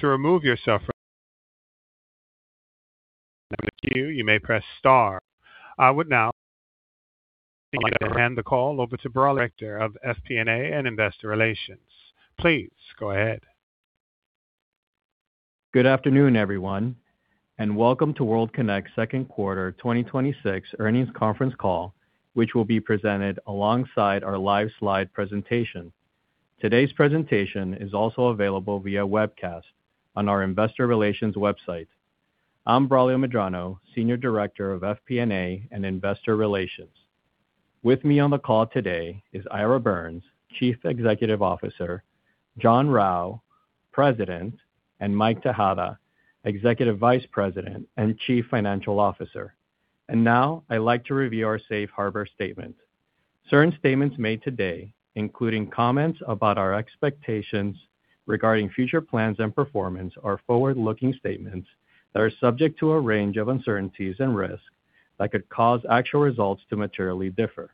To remove yourself from the queue, you may press star. I would now like to hand the call over to Braulio Medrano, Director of FP&A and Investor Relations. Please go ahead. Good afternoon, everyone, and welcome to World Kinect's second quarter 2026 earnings conference call, which will be presented alongside our live slide presentation. Today's presentation is also available via webcast on our investor relations website. I'm Braulio Medrano, Senior Director of FP&A and Investor Relations. With me on the call today is Ira Birns, Chief Executive Officer, John Rau, President, and Mike Tejada, Executive Vice President and Chief Financial Officer. Now I'd like to review our safe harbor statement. Certain statements made today, including comments about our expectations regarding future plans and performance, are forward-looking statements that are subject to a range of uncertainties and risks that could cause actual results to materially differ.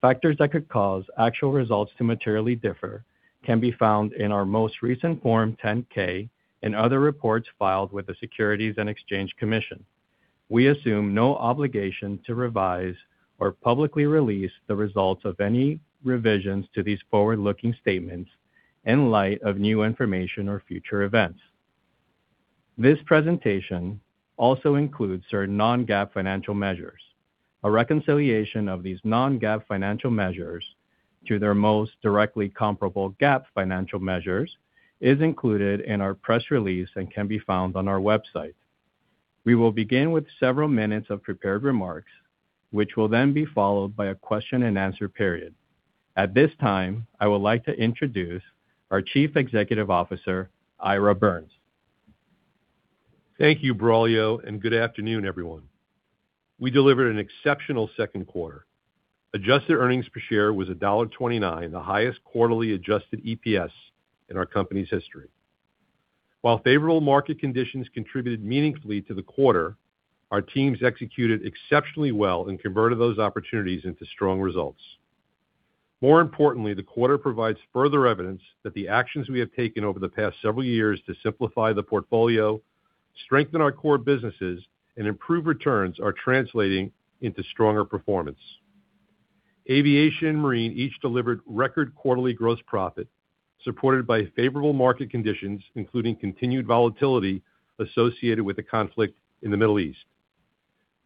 Factors that could cause actual results to materially differ can be found in our most recent Form 10-K and other reports filed with the Securities and Exchange Commission. We assume no obligation to revise or publicly release the results of any revisions to these forward-looking statements in light of new information or future events. This presentation also includes certain non-GAAP financial measures. A reconciliation of these non-GAAP financial measures to their most directly comparable GAAP financial measures is included in our press release and can be found on our website. We will begin with several minutes of prepared remarks, which will then be followed by a question-and-answer period. At this time, I would like to introduce our Chief Executive Officer, Ira Birns. Thank you, Braulio, and good afternoon, everyone. We delivered an exceptional second quarter. Adjusted earnings per share was $1.29, the highest quarterly adjusted EPS in our company's history. While favorable market conditions contributed meaningfully to the quarter, our teams executed exceptionally well and converted those opportunities into strong results. More importantly, the quarter provides further evidence that the actions we have taken over the past several years to simplify the portfolio, strengthen our core businesses, and improve returns, are translating into stronger performance. Aviation and marine each delivered record quarterly gross profit, supported by favorable market conditions, including continued volatility associated with the conflict in the Middle East.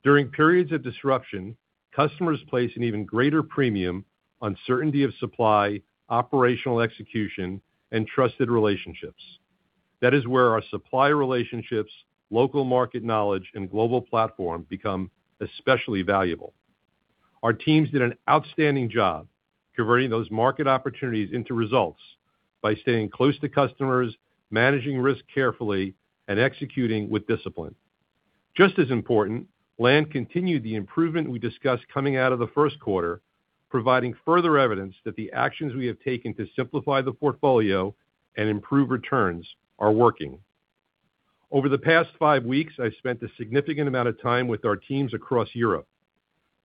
During periods of disruption, customers place an even greater premium on certainty of supply, operational execution, and trusted relationships. That is where our supplier relationships, local market knowledge, and global platform become especially valuable. Our teams did an outstanding job converting those market opportunities into results by staying close to customers, managing risk carefully, and executing with discipline. Just as important, land continued the improvement we discussed coming out of the first quarter, providing further evidence that the actions we have taken to simplify the portfolio and improve returns are working. Over the past five weeks, I've spent a significant amount of time with our teams across Europe.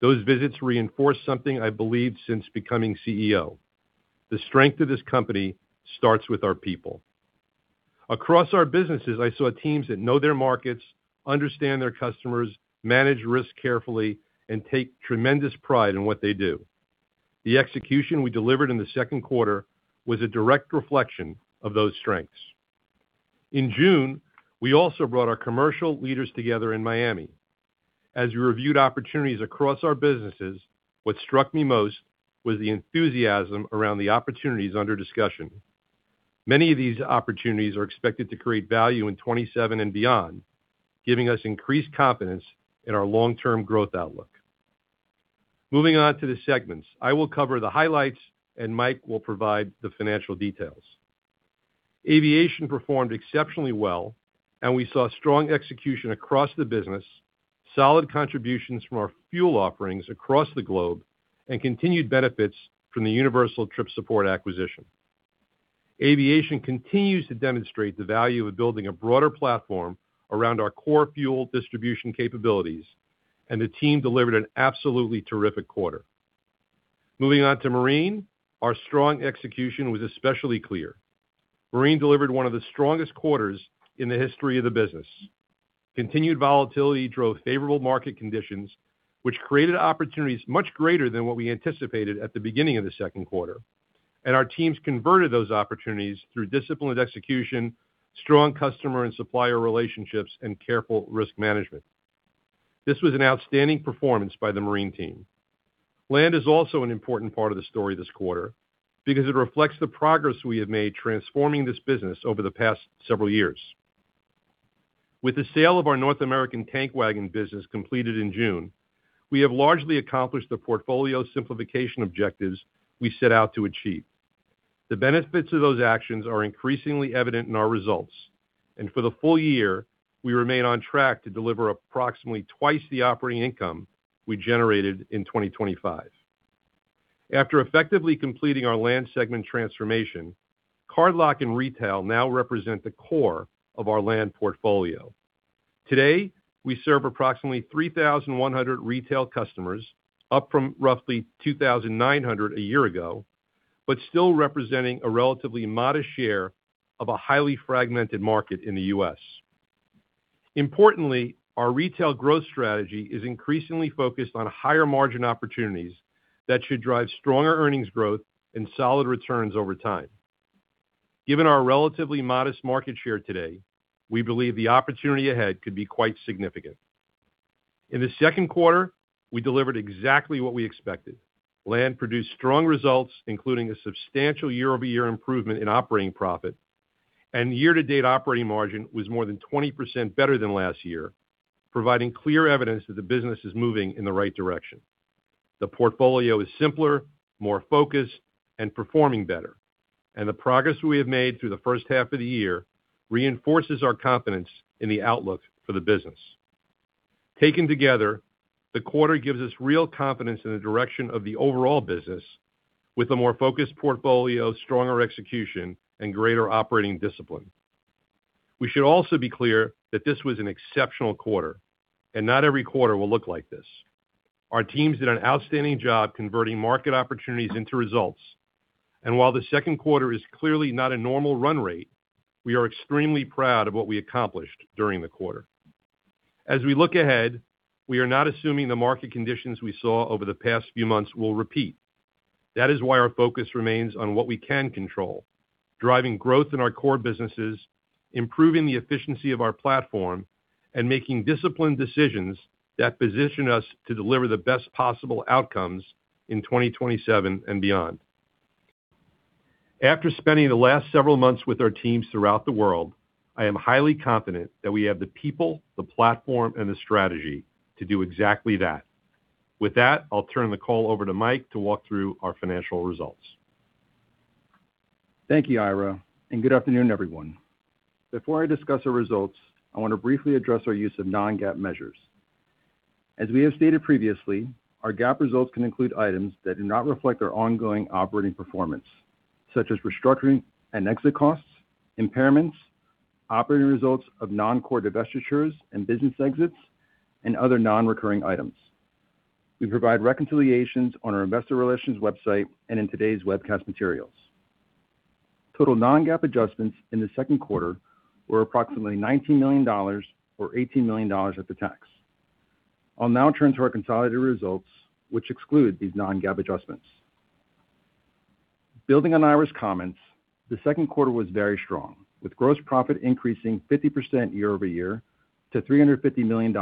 Those visits reinforced something I believed since becoming CEO. The strength of this company starts with our people. Across our businesses, I saw teams that know their markets, understand their customers, manage risk carefully, and take tremendous pride in what they do. The execution we delivered in the second quarter was a direct reflection of those strengths. In June, we also brought our commercial leaders together in Miami. As we reviewed opportunities across our businesses, what struck me most was the enthusiasm around the opportunities under discussion. Many of these opportunities are expected to create value in 2027 and beyond, giving us increased confidence in our long-term growth outlook. Moving on to the segments. I will cover the highlights, and Mike will provide the financial details. Aviation performed exceptionally well, and we saw strong execution across the business, solid contributions from our fuel offerings across the globe, and continued benefits from the Universal Trip Support acquisition. Aviation continues to demonstrate the value of building a broader platform around our core fuel distribution capabilities, and the team delivered an absolutely terrific quarter. Moving on to marine. Our strong execution was especially clear. Marine delivered one of the strongest quarters in the history of the business. Continued volatility drove favorable market conditions, which created opportunities much greater than what we anticipated at the beginning of the second quarter, and our teams converted those opportunities through disciplined execution, strong customer and supplier relationships, and careful risk management. This was an outstanding performance by the marine team. Land is also an important part of the story this quarter because it reflects the progress we have made transforming this business over the past several years. With the sale of our North American tank wagon business completed in June, we have largely accomplished the portfolio simplification objectives we set out to achieve. The benefits of those actions are increasingly evident in our results, and for the full year, we remain on track to deliver approximately twice the operating income we generated in 2025. After effectively completing our land segment transformation, Cardlock and retail now represent the core of our land portfolio. Today, we serve approximately 3,100 retail customers, up from roughly 2,900 a year ago, but still representing a relatively modest share of a highly fragmented market in the U.S. Importantly, our retail growth strategy is increasingly focused on higher margin opportunities that should drive stronger earnings growth and solid returns over time. Given our relatively modest market share today, we believe the opportunity ahead could be quite significant. In the second quarter, we delivered exactly what we expected. Land produced strong results, including a substantial year-over-year improvement in operating profit, and year-to-date operating margin was more than 20% better than last year, providing clear evidence that the business is moving in the right direction. The portfolio is simpler, more focused, and performing better, and the progress we have made through the first half of the year reinforces our confidence in the outlook for the business. Taken together, the quarter gives us real confidence in the direction of the overall business with a more focused portfolio, stronger execution, and greater operating discipline. We should also be clear that this was an exceptional quarter, and not every quarter will look like this. Our teams did an outstanding job converting market opportunities into results, and while the second quarter is clearly not a normal run rate, we are extremely proud of what we accomplished during the quarter. As we look ahead, we are not assuming the market conditions we saw over the past few months will repeat. That is why our focus remains on what we can control, driving growth in our core businesses, improving the efficiency of our platform, and making disciplined decisions that position us to deliver the best possible outcomes in 2027 and beyond. After spending the last several months with our teams throughout the world, I am highly confident that we have the people, the platform, and the strategy to do exactly that. With that, I'll turn the call over to Mike to walk through our financial results. Thank you, Ira, and good afternoon, everyone. Before I discuss our results, I want to briefly address our use of non-GAAP measures. As we have stated previously, our GAAP results can include items that do not reflect our ongoing operating performance, such as restructuring and exit costs, impairments, operating results of non-core divestitures and business exits, and other non-recurring items. We provide reconciliations on our investor relations website and in today's webcast materials. Total non-GAAP adjustments in the second quarter were approximately $19 million, or $18 million at the tax. I'll now turn to our consolidated results, which exclude these non-GAAP adjustments. Building on Ira's comments, the second quarter was very strong, with gross profit increasing 50% year-over-year to $350 million,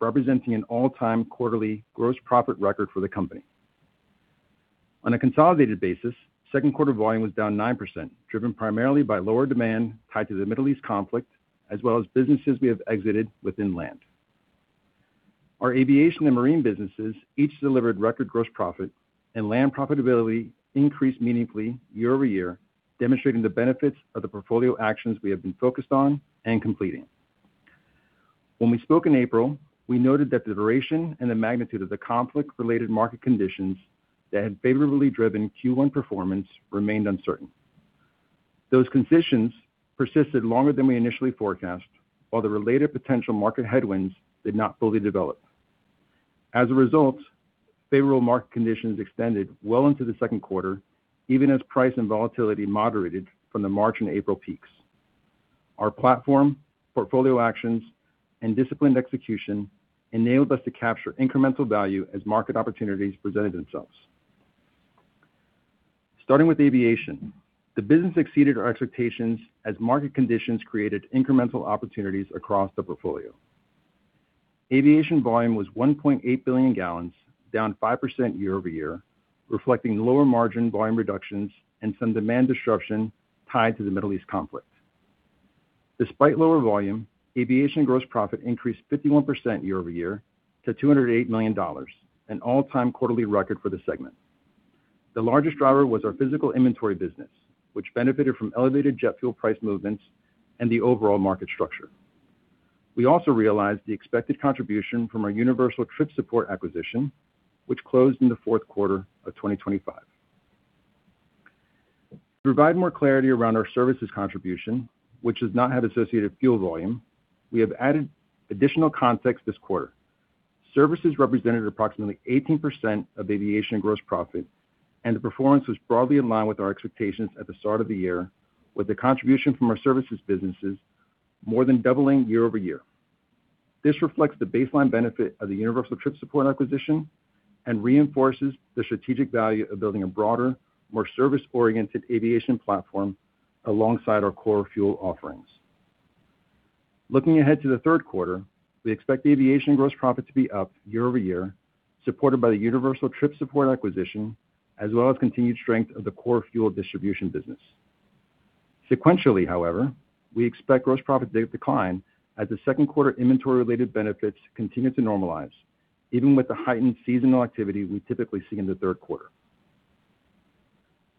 representing an all-time quarterly gross profit record for the company. On a consolidated basis, second quarter volume was down 9%, driven primarily by lower demand tied to the Middle East conflict, as well as businesses we have exited within Land. Our aviation and marine businesses each delivered record gross profit and Land profitability increased meaningfully year-over-year, demonstrating the benefits of the portfolio actions we have been focused on and completing. When we spoke in April, we noted that the duration and the magnitude of the conflict-related market conditions that had favorably driven Q1 performance remained uncertain. Those conditions persisted longer than we initially forecast, while the related potential market headwinds did not fully develop. As a result, favorable market conditions extended well into the second quarter, even as price and volatility moderated from the March and April peaks. Our platform, portfolio actions, and disciplined execution enabled us to capture incremental value as market opportunities presented themselves. Starting with aviation, the business exceeded our expectations as market conditions created incremental opportunities across the portfolio. Aviation volume was 1.8 billion gallons, down 5% year-over-year, reflecting lower margin volume reductions and some demand disruption tied to the Middle East conflict. Despite lower volume, aviation gross profit increased 51% year-over-year to $208 million, an all-time quarterly record for the segment. The largest driver was our physical inventory business, which benefited from elevated jet fuel price movements and the overall market structure. We also realized the expected contribution from our Universal Trip Support acquisition, which closed in the fourth quarter of 2025. To provide more clarity around our services contribution, which does not have associated fuel volume, we have added additional context this quarter. Services represented approximately 18% of aviation gross profit, and the performance was broadly in line with our expectations at the start of the year, with the contribution from our services businesses more than doubling year-over-year. This reflects the baseline benefit of the Universal Trip Support acquisition and reinforces the strategic value of building a broader, more service-oriented aviation platform alongside our core fuel offerings. Looking ahead to the third quarter, we expect aviation gross profit to be up year-over-year, supported by the Universal Trip Support acquisition, as well as continued strength of the core fuel distribution business. Sequentially, however, we expect gross profit to decline as the second quarter inventory-related benefits continue to normalize, even with the heightened seasonal activity we typically see in the third quarter.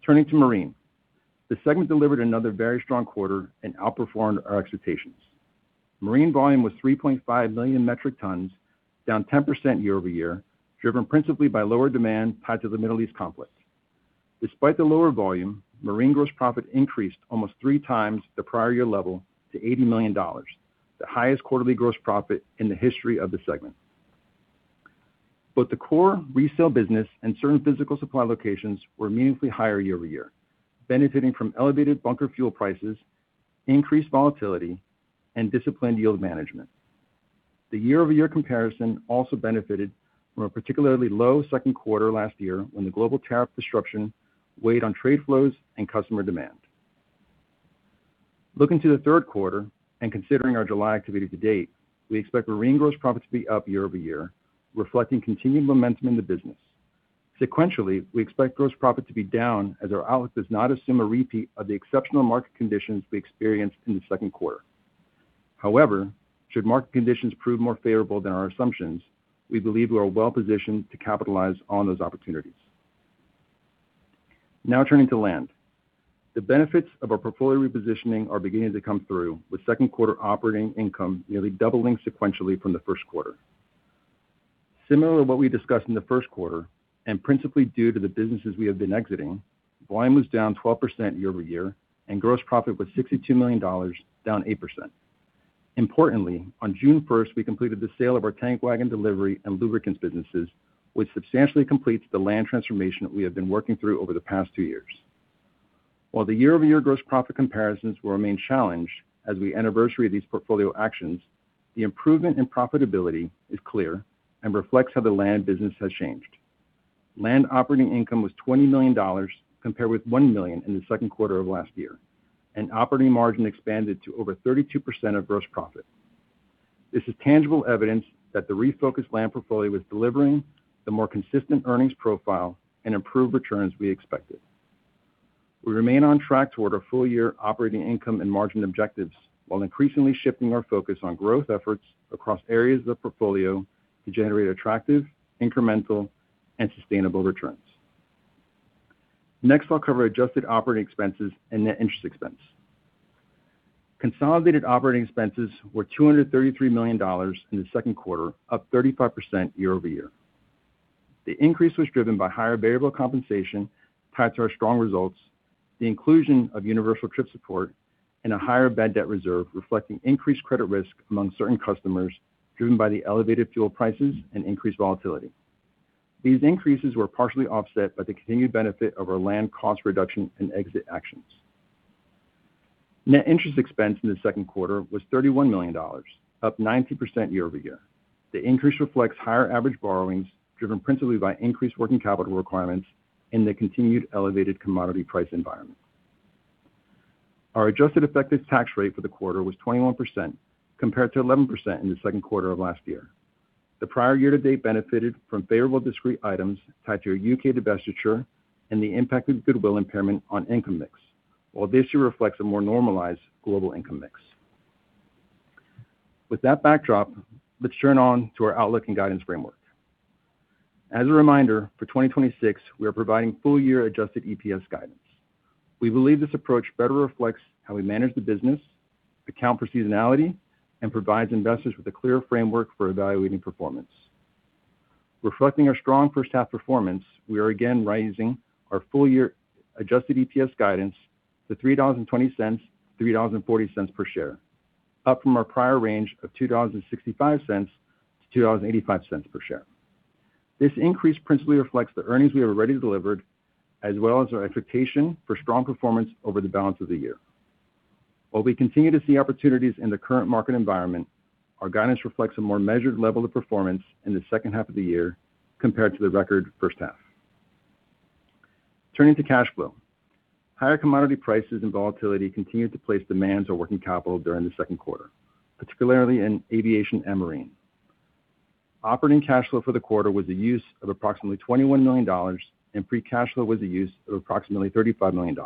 Turning to marine. The segment delivered another very strong quarter and outperformed our expectations. Marine volume was 3.5 million metric tons, down 10% year-over-year, driven principally by lower demand tied to the Middle East conflict. Despite the lower volume, marine gross profit increased almost three times the prior year level to $80 million, the highest quarterly gross profit in the history of the segment. Both the core resale business and certain physical supply locations were meaningfully higher year-over-year, benefiting from elevated bunker fuel prices, increased volatility, and disciplined yield management. The year-over-year comparison also benefited from a particularly low second quarter last year when the global tariff disruption weighed on trade flows and customer demand. Looking to the third quarter and considering our July activity to date, we expect marine gross profit to be up year-over-year, reflecting continued momentum in the business. Sequentially, we expect gross profit to be down as our outlook does not assume a repeat of the exceptional market conditions we experienced in the second quarter. However, should market conditions prove more favorable than our assumptions, we believe we are well-positioned to capitalize on those opportunities. Now turning to land. The benefits of our portfolio repositioning are beginning to come through, with second quarter operating income nearly doubling sequentially from the first quarter. Similar to what we discussed in the first quarter and principally due to the businesses we have been exiting, volume was down 12% year-over-year, and gross profit was $62 million, down 8%. Importantly, on June 1st, we completed the sale of our tank wagon delivery and lubricants businesses, which substantially completes the land transformation that we have been working through over the past two years. While the year-over-year gross profit comparisons will remain challenged as we anniversary these portfolio actions, the improvement in profitability is clear and reflects how the land business has changed. Land operating income was $20 million, compared with $1 million in the second quarter of last year, and operating margin expanded to over 32% of gross profit. This is tangible evidence that the refocused land portfolio was delivering the more consistent earnings profile and improved returns we expected. We remain on track toward our full-year operating income and margin objectives while increasingly shifting our focus on growth efforts across areas of the portfolio to generate attractive, incremental, and sustainable returns. Next, I'll cover adjusted operating expenses and net interest expense. Consolidated operating expenses were $233 million in the second quarter, up 35% year-over-year. The increase was driven by higher variable compensation tied to our strong results, the inclusion of Universal Trip Support, and a higher bad debt reserve reflecting increased credit risk among certain customers, driven by the elevated fuel prices and increased volatility. These increases were partially offset by the continued benefit of our land cost reduction and exit actions. Net interest expense in the second quarter was $31 million, up 19% year-over-year. The increase reflects higher average borrowings driven principally by increased working capital requirements in the continued elevated commodity price environment. Our adjusted effective tax rate for the quarter was 21%, compared to 11% in the second quarter of last year. The prior year to date benefited from favorable discrete items tied to our U.K. divestiture and the impact of goodwill impairment on income mix, while this year reflects a more normalized global income mix. With that backdrop, let's turn on to our outlook and guidance framework. As a reminder, for 2026, we are providing full-year adjusted EPS guidance. We believe this approach better reflects how we manage the business, account for seasonality, and provides investors with a clear framework for evaluating performance. Reflecting our strong first half performance, we are again raising our full-year adjusted EPS guidance to $3.20-$3.40 per share, up from our prior range of $2.65-$2.85 per share. This increase principally reflects the earnings we have already delivered, as well as our expectation for strong performance over the balance of the year. While we continue to see opportunities in the current market environment, our guidance reflects a more measured level of performance in the second half of the year compared to the record first half. Turning to cash flow. Higher commodity prices and volatility continued to place demands on working capital during the second quarter, particularly in aviation and marine. Operating cash flow for the quarter was the use of approximately $21 million, and free cash flow was the use of approximately $35 million,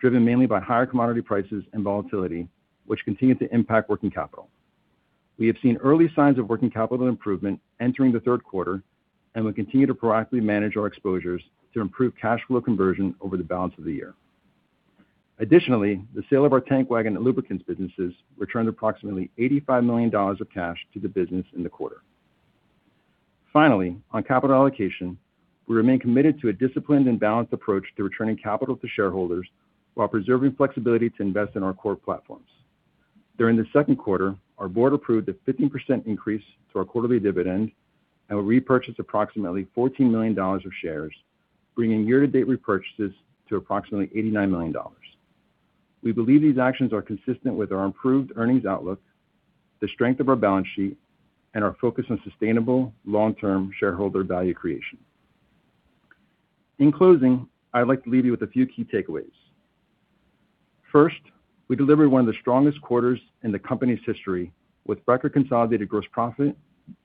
driven mainly by higher commodity prices and volatility, which continued to impact working capital. We have seen early signs of working capital improvement entering the third quarter, and we continue to proactively manage our exposures to improve cash flow conversion over the balance of the year. Additionally, the sale of our tank wagon and lubricants businesses returned approximately $85 million of cash to the business in the quarter. Finally, on capital allocation, we remain committed to a disciplined and balanced approach to returning capital to shareholders while preserving flexibility to invest in our core platforms. During the second quarter, our board approved a 15% increase to our quarterly dividend and we repurchased approximately $14 million of shares, bringing year-to-date repurchases to approximately $89 million. We believe these actions are consistent with our improved earnings outlook, the strength of our balance sheet, and our focus on sustainable long-term shareholder value creation. In closing, I'd like to leave you with a few key takeaways. First, we delivered one of the strongest quarters in the company's history, with record consolidated gross profit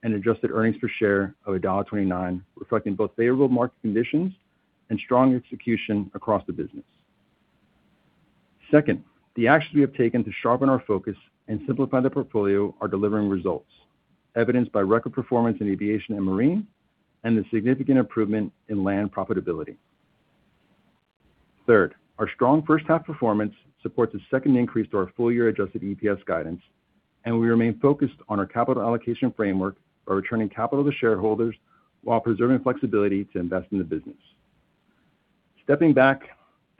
and adjusted earnings per share of $1.29, reflecting both favorable market conditions and strong execution across the business. Second, the actions we have taken to sharpen our focus and simplify the portfolio are delivering results, evidenced by record performance in aviation and marine and the significant improvement in land profitability. Third, our strong first half performance supports a second increase to our full-year adjusted EPS guidance. We remain focused on our capital allocation framework by returning capital to shareholders while preserving flexibility to invest in the business. Stepping back,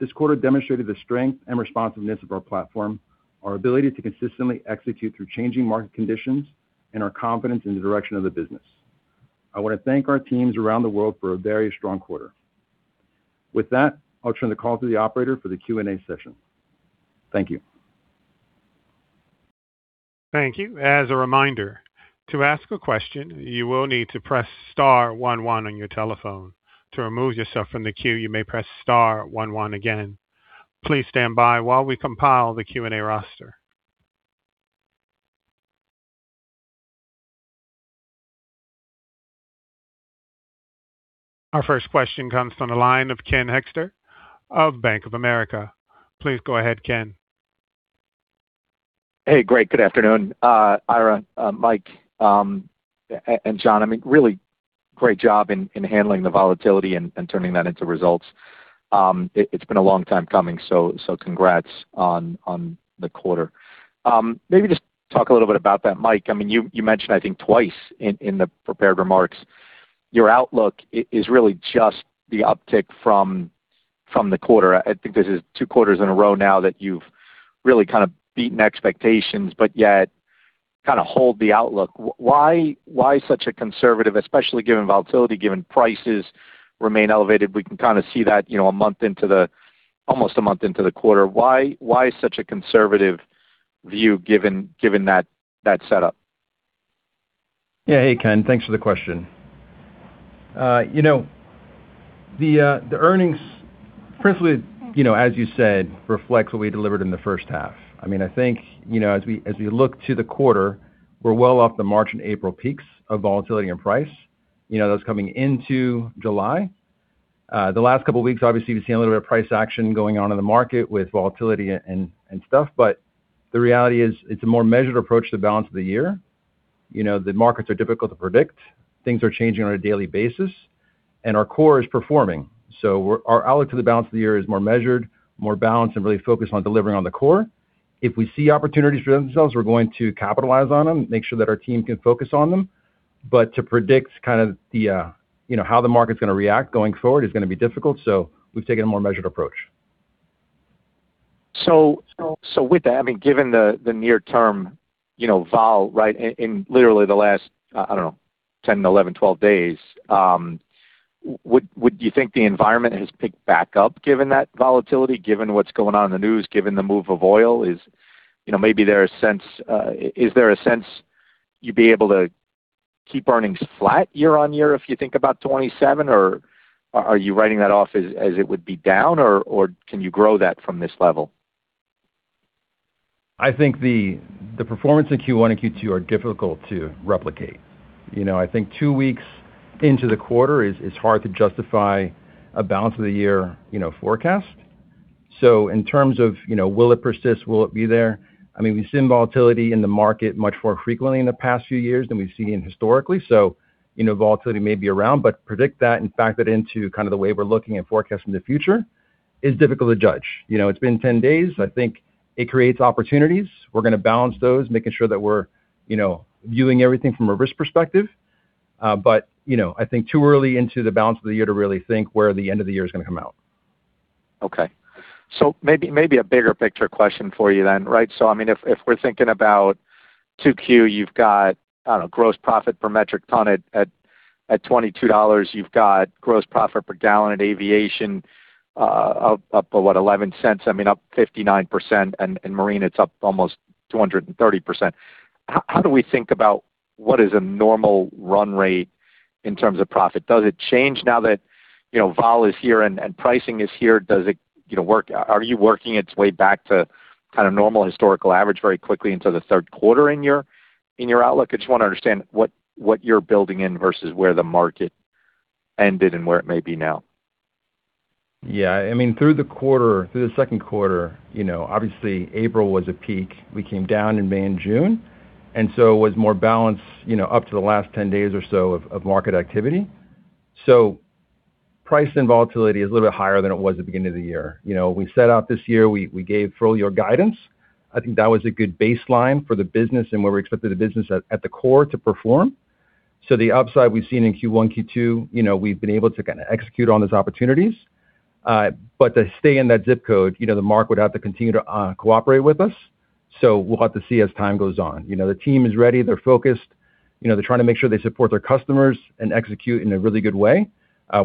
this quarter demonstrated the strength and responsiveness of our platform, our ability to consistently execute through changing market conditions, and our confidence in the direction of the business. I want to thank our teams around the world for a very strong quarter. With that, I'll turn the call to the operator for the Q&A session. Thank you. Thank you. As a reminder, to ask a question, you will need to press star one one on your telephone. To remove yourself from the queue, you may press star one one again. Please stand by while we compile the Q&A roster. Our first question comes from the line of Ken Hoexter of Bank of America. Please go ahead, Ken. Hey, great. Good afternoon, Ira, Mike, and John. Really great job in handling the volatility and turning that into results. It's been a long time coming, so congrats on the quarter. Maybe just talk a little bit about that, Mike. You mentioned, I think, twice in the prepared remarks, your outlook is really just the uptick from the quarter. I think this is two quarters in a row now that you've really kind of beaten expectations, yet kind of hold the outlook. Why such a conservative, especially given volatility, given prices remain elevated? We can kind of see that almost a month into the quarter. Why such a conservative view given that setup? Yeah. Hey, Ken. Thanks for the question. The earnings, principally, as you said, reflects what we delivered in the first half. I think, as we look to the quarter, we're well off the March and April peaks of volatility and price. Those coming into July. The last couple of weeks, obviously, we've seen a little bit of price action going on in the market with volatility and stuff. The reality is, it's a more measured approach to the balance of the year. The markets are difficult to predict. Things are changing on a daily basis, and our core is performing. Our outlook to the balance of the year is more measured, more balanced, and really focused on delivering on the core. If we see opportunities for themselves, we're going to capitalize on them, make sure that our team can focus on them. To predict how the market's going to react going forward is going to be difficult. We've taken a more measured approach. With that, given the near term vol in literally the last, I don't know, 10 to 11, 12 days, would you think the environment has picked back up given that volatility, given what's going on in the news, given the move of oil? Is there a sense you'd be able to keep earnings flat year-over-year if you think about 27, or are you writing that off as it would be down, or can you grow that from this level? I think the performance in Q1 and Q2 are difficult to replicate. I think two weeks into the quarter, it's hard to justify a balance of the year forecast. In terms of will it persist, will it be there, we've seen volatility in the market much more frequently in the past few years than we've seen historically. Volatility may be around, but predict that and factor that into kind of the way we're looking and forecasting the future is difficult to judge. It's been 10 days. I think it creates opportunities. We're going to balance those, making sure that we're viewing everything from a risk perspective. I think too early into the balance of the year to really think where the end of the year is going to come out. Maybe a bigger picture question for you. If we're thinking about 2Q, you've got, I don't know, gross profit per metric ton at $22. You've got gross profit per gallon at aviation up, what, $0.11? Up 59%, and in marine, it's up almost 230%. How do we think about what is a normal run rate in terms of profit? Does it change now that vol is here and pricing is here? Are you working its way back to kind of normal historical average very quickly into the third quarter in your outlook? I just want to understand what you're building in versus where the market ended and where it may be now. Yeah. Through the second quarter, obviously April was a peak. We came down in May and June, it was more balanced up to the last 10 days or so of market activity. Price and volatility is a little bit higher than it was at the beginning of the year. We set out this year, we gave full-year guidance. I think that was a good baseline for the business and where we expected the business at the core to perform. The upside we've seen in Q1, Q2, we've been able to kind of execute on those opportunities. To stay in that ZIP code, the market would have to continue to cooperate with us. We'll have to see as time goes on. The team is ready. They're focused. They're trying to make sure they support their customers and execute in a really good way.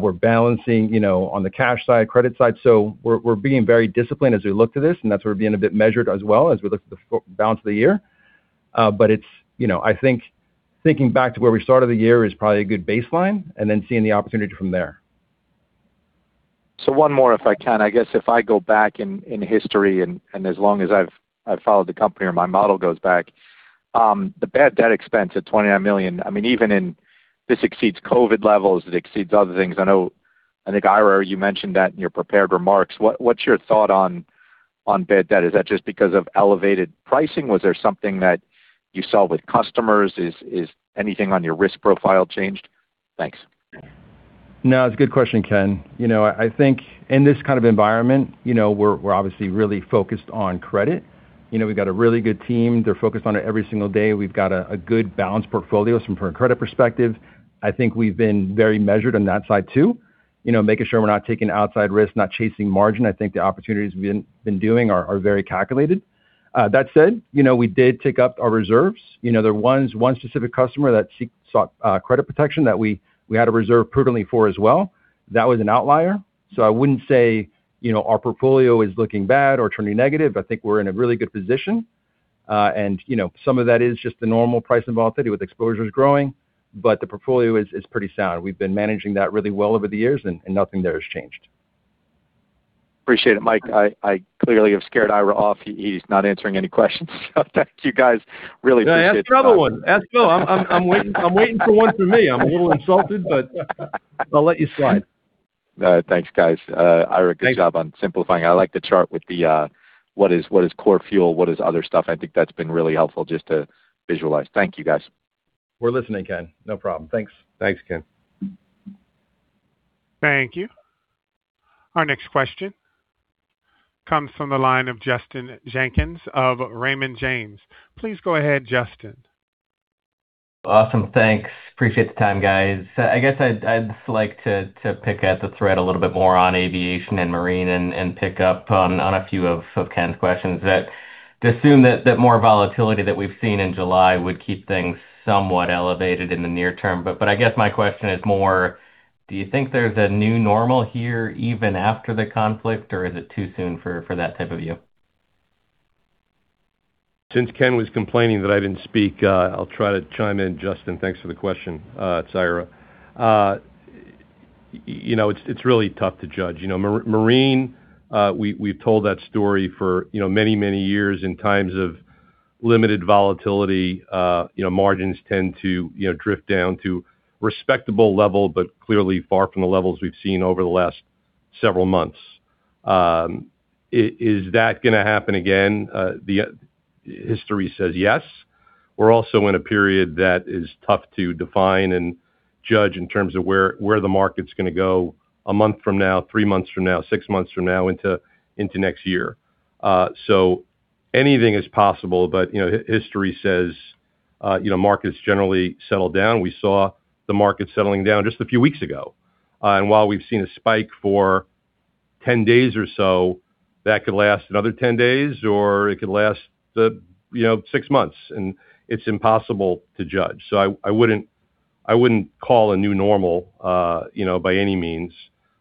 We're balancing on the cash side, credit side. We're being very disciplined as we look to this, and that's where being a bit measured as well as we look to the balance of the year. Thinking back to where we started the year is probably a good baseline, seeing the opportunity from there. One more, if I can. I guess if I go back in history and as long as I've followed the company or my model goes back, the bad debt expense at $29 million, even in this exceeds COVID levels, it exceeds other things. I know, I think, Ira, you mentioned that in your prepared remarks. What's your thought on bad debt? Is that just because of elevated pricing? Was there something that you saw with customers? Is anything on your risk profile changed? Thanks. It's a good question, Ken. I think in this kind of environment, we're obviously really focused on credit. We've got a really good team. They're focused on it every single day. We've got a good balanced portfolio from a credit perspective. I think we've been very measured on that side, too. Making sure we're not taking outside risk, not chasing margin. I think the opportunities we've been doing are very calculated. We did tick up our reserves. There was one specific customer that sought credit protection that we had to reserve prudently for as well. That was an outlier. I wouldn't say our portfolio is looking bad or turning negative. I think we're in a really good position. Some of that is just the normal price volatility with exposures growing, but the portfolio is pretty sound. We've been managing that really well over the years. Nothing there has changed. Appreciate it, Mike. I clearly have scared Ira off. He's not answering any questions. Thank you, guys. Really appreciate the time. Ask another one. Ask me. I'm waiting for one from me. I'm a little insulted. I'll let you slide. No, thanks, guys. Thanks. Ira, good job on simplifying. I like the chart with the what is core fuel, what is other stuff. I think that's been really helpful just to visualize. Thank you, guys. We're listening, Ken. No problem. Thanks. Thanks, Ken. Thank you. Our next question comes from the line of Justin Jenkins of Raymond James. Please go ahead, Justin. Awesome. Thanks. Appreciate the time, guys. I guess I'd like to pick at the thread a little bit more on aviation and marine and pick up on a few of Ken's questions. To assume that more volatility that we've seen in July would keep things somewhat elevated in the near term. I guess my question is more, do you think there's a new normal here even after the conflict, or is it too soon for that type of view? Since Ken was complaining that I didn't speak, I'll try to chime in, Justin. Thanks for the question. It's Ira. It's really tough to judge. Marine, we've told that story for many, many years. In times of limited volatility, margins tend to drift down to respectable level, but clearly far from the levels we've seen over the last several months. Is that going to happen again? History says yes. We're also in a period that is tough to define and judge in terms of where the market's going to go one month from now, three months from now, six months from now into next year. Anything is possible but history says markets generally settle down. We saw the market settling down just a few weeks ago. While we've seen a spike for 10 days or so, that could last another 10 days or it could last six months, and it's impossible to judge. I wouldn't call a new normal by any means.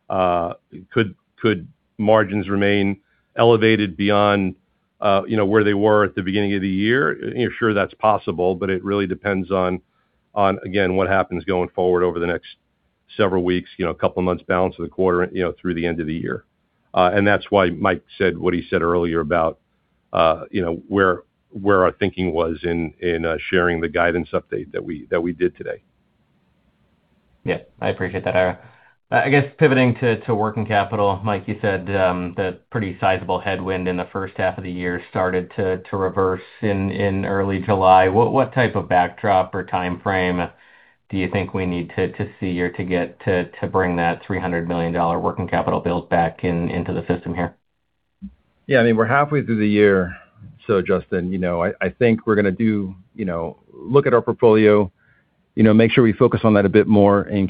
Could margins remain elevated beyond where they were at the beginning of the year? Sure, that's possible, but it really depends on, again, what happens going forward over the next several weeks, couple of months, balance of the quarter through the end of the year. That's why Mike said what he said earlier about where our thinking was in sharing the guidance update that we did today. Yeah. I appreciate that, Ira. Pivoting to working capital, Mike, you said that pretty sizable headwind in the first half of the year started to reverse in early July. What type of backdrop or timeframe do you think we need to see or to get to bring that $300 million working capital build back into the system here? Yeah, we're halfway through the year, Justin, I think we're going to look at our portfolio, make sure we focus on that a bit more in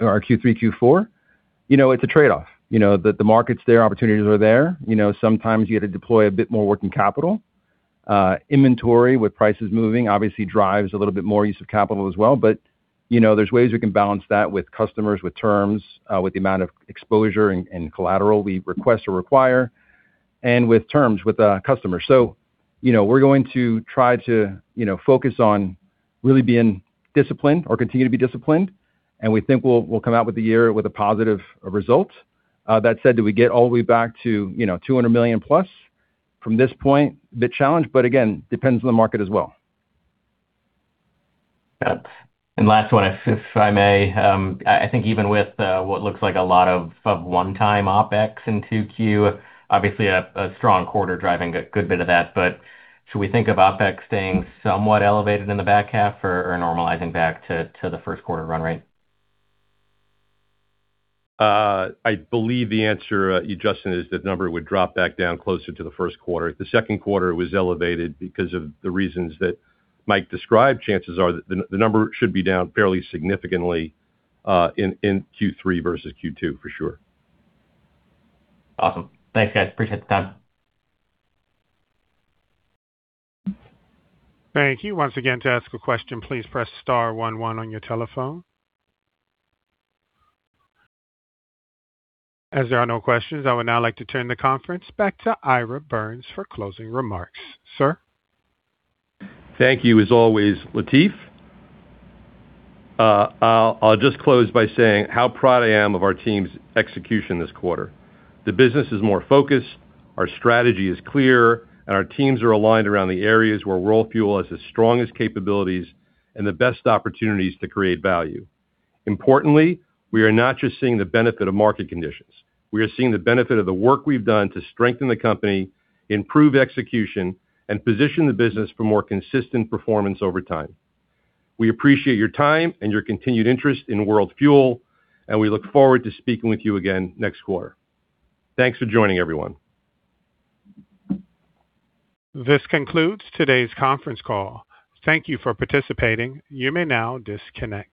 our Q3, Q4. It's a trade-off. The market's there, opportunities are there. Sometimes you got to deploy a bit more working capital. Inventory with prices moving obviously drives a little bit more use of capital as well, there's ways we can balance that with customers, with terms, with the amount of exposure and collateral we request or require, and with terms with the customers. We're going to try to focus on really being disciplined or continue to be disciplined, and we think we'll come out with the year with a positive result. That said, do we get all the way back to $200 million plus? From this point, a bit challenged, again, depends on the market as well. Got it. Last one, if I may. I think even with what looks like a lot of one-time OpEx in 2Q, obviously a strong quarter driving a good bit of that, should we think of OpEx staying somewhat elevated in the back half or normalizing back to the first quarter run rate? I believe the answer, Justin, is that number would drop back down closer to the first quarter. The second quarter was elevated because of the reasons that Mike described. Chances are the number should be down fairly significantly in Q3 versus Q2, for sure. Awesome. Thanks, guys. Appreciate the time. Thank you. Once again, to ask a question, please press star one one on your telephone. As there are no questions, I would now like to turn the conference back to Ira Birns for closing remarks. Sir? Thank you as always, Latif. I'll just close by saying how proud I am of our team's execution this quarter. The business is more focused, our strategy is clear, and our teams are aligned around the areas where World Fuel has the strongest capabilities and the best opportunities to create value. Importantly, we are not just seeing the benefit of market conditions. We are seeing the benefit of the work we've done to strengthen the company, improve execution, and position the business for more consistent performance over time. We appreciate your time and your continued interest in World Fuel, and we look forward to speaking with you again next quarter. Thanks for joining, everyone. This concludes today's conference call. Thank you for participating. You may now disconnect.